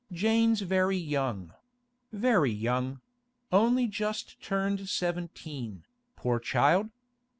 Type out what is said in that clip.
Jane's very young—very young; only just turned seventeen, poor child!